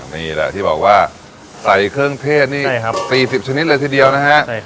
นี่แหละที่บอกว่าใส่เครื่องเทศนี่๔๐ชนิดเลยทีเดียวนะฮะ